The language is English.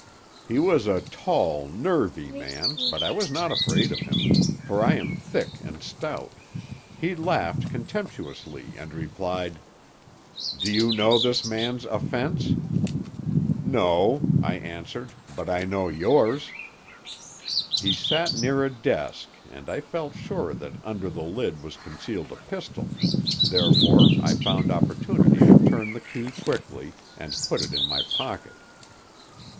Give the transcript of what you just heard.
"He was a tall, nervy man, but I was not afraid of him; for I am thick and stout. He laughed contemptuously, and replied, "'Do you know this man's offence?' "'No,' I answered, 'but I know yours.' "He sat near a desk, and I felt sure that under the lid was concealed a pistol; therefore I found opportunity to turn the key quickly, and put it in my pocket.